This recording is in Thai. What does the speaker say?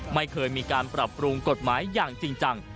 ไม่เคยมีการปรับปรุงกฎหมายอย่างจริงจัง